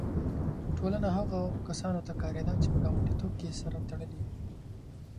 ټولنه هغو کسانو ته کارېده چې په ګانډیتوب کې سره تړلي وي.